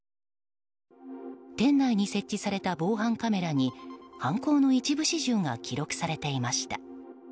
店内に設置された防犯カメラに犯行の一部始終が記録されていました。